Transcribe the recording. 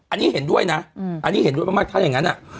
อันนี้เห็นด้วยนะอันนี้เห็นด้วยมากถ้าอย่างนั้น